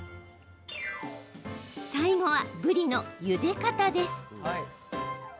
最後は、ぶりのゆで方です。